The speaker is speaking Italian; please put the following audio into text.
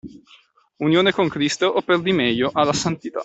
Unione con Cristo o, per dir meglio, alla santità